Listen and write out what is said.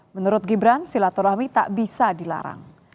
menurut gibran silaturahmi tak bisa dilarang